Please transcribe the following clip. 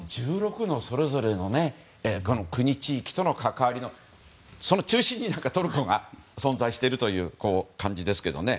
１６のそれぞれの国、地域との関わりの中心にトルコが存在しているという感じですけどね。